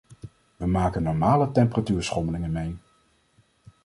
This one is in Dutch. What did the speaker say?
We maken normale temperatuurschommelingen mee.